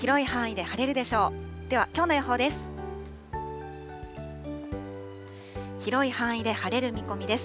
ではきょうの予報です。